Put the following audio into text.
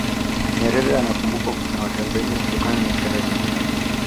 nyerere anakumbukwa na watanzania kutokana na sera zake